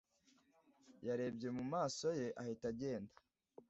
Yarebye mu maso ye ahita agenda.